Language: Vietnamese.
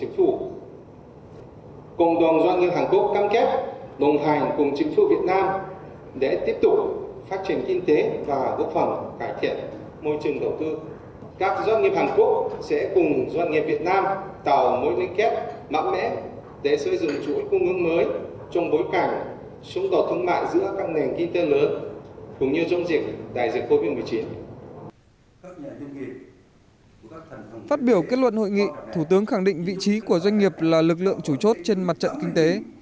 phát biểu kết luận hội nghị thủ tướng khẳng định vị trí của doanh nghiệp là lực lượng chủ chốt trên mặt trận kinh tế